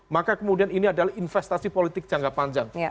maka kemudian ini adalah investasi politik jangka panjang